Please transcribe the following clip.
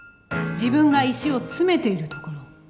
自分が石を詰めているところを。